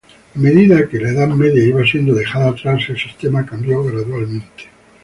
A medida que la Edad Media iba siendo dejada atrás, el sistema cambió gradualmente.